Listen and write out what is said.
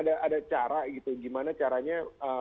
ada cara gitu gimana caranya